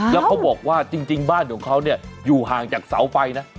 แล้วเขาบอกว่าจริงบ้านของเขาเนี่ยอยู่ห่างจากเสาไฟนะ